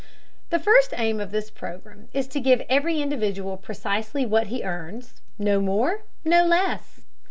The first aim of this program is to give every individual precisely what he earns, no more, no less.